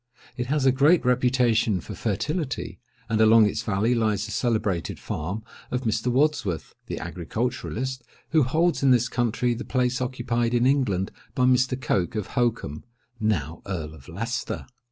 It has a great reputation for fertility; and along its valley lies the celebrated farm of Mr. Wadsworth, the agriculturist, who holds in this country the place occupied in England by Mr. Coke of Holkham—now Earl of Leicester.